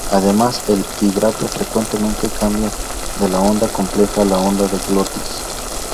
Además el "vibrato" frecuentemente cambia de la onda compleja a la onda de glotis.